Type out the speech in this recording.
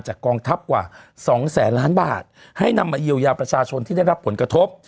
กองทัพกว่าสองแสนล้านบาทให้นำมาเยียวยาประชาชนที่ได้รับผลกระทบ